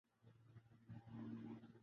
مبتلا ہیں تاہم اب اداکار کے